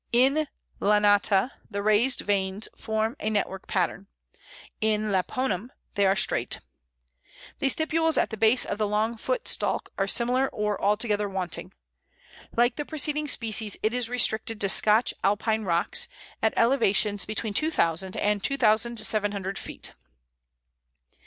In lanata the raised veins form a network pattern; in lapponum they are straight. The stipules at the base of the long foot stalk are small or altogether wanting. Like the preceding species, it is restricted to Scotch Alpine rocks, at elevations between 2000 and 2700 feet.